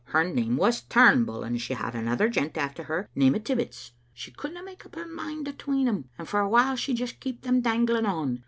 Her name was TumbuU, and she had another gent after her, name o' Tibbets. She couldna makeup her mind atween them, and for a while she just keeped them dan glin^ on.